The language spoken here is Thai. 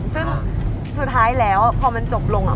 ซึ่งสุดท้ายแล้วพอมันจบลง